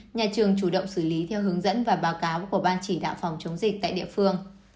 nhà trường chủ động xử lý theo hướng dẫn và báo cáo của ban chỉ đạo phòng chống dịch tại địa phương